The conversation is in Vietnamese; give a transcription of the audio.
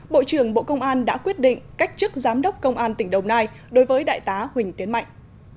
bộ trưởng bộ công an đã quyết định cách chức giám đốc công an tỉnh đồng nai đối với đại tá huỳnh tiến mạnh